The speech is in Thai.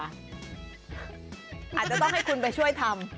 อาจจะต้องให้คุณไปช่วยทำ